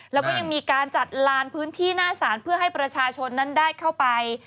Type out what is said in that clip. แล้วก็ยังมีการจัดลานพื้นที่หน้าศาลเพื่อให้ประชาชนนั้นได้เข้าไป